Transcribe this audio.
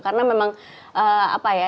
karena memang apa ya